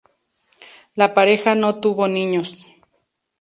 La pareja no tuvo niños.